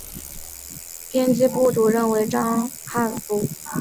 编辑部主任为章汉夫。